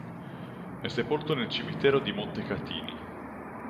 È sepolto nel cimitero di Montecatini.